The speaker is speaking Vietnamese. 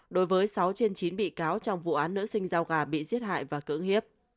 đối với sáu trên chín bị cáo trong vụ án nữ sinh giao gà bị giết hại và cưỡng hiếp